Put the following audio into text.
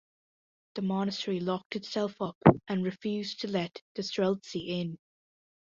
The monastery locked itself up and refused to let the Streltsy in.